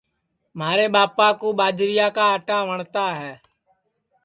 مھارے ٻاپا کُوٻاجریا کا آٹا وٹؔتا ہے